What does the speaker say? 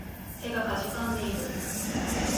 手が悴んでいる